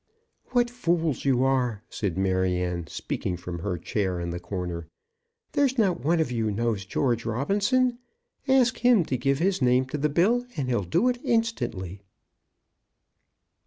"What fools you are!" said Maryanne, speaking from her chair in the corner. "There's not one of you knows George Robinson. Ask him to give his name to the bill, and he'll do it instantly."